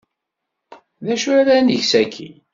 D acu ara neg sakkin?